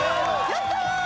やった！